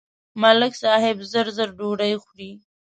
ملک صاحب زر زر ډوډۍ خوري.